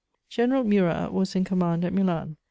General Murat was in command at Milan.